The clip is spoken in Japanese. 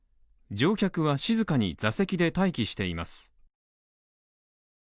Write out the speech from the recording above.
乗客は静かに座席で待機しています。